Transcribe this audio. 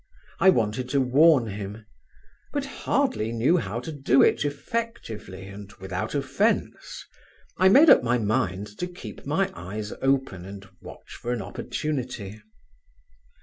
I wanted to warn him; but hardly knew how to do it effectively and without offence: I made up my mind to keep my eyes open and watch an opportunity.